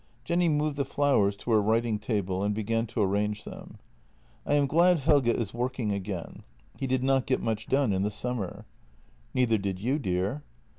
Jenny moved the flowers to her writing table and began to arrange them: " I am glad Helge is working again. He did not get much done in the summer." " Neither did you, dear."